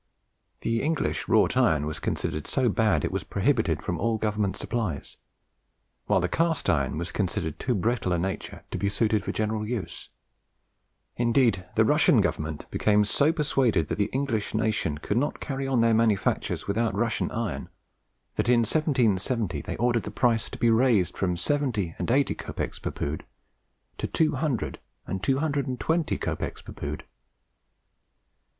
The English wrought iron was considered so bad that it was prohibited from all government supplies, while the cast iron was considered of too brittle a nature to be suited for general use. Indeed the Russian government became so persuaded that the English nation could not carry on their manufactures without Russian iron, that in 1770 they ordered the price to be raised from 70 and 80 copecs per pood to 200 and 220 copecs per pood.